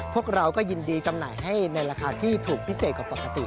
พวกเราก็ยินดีจำหน่ายให้ในราคาที่ถูกพิเศษกว่าปกติ